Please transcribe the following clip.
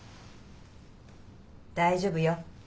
大丈夫よ。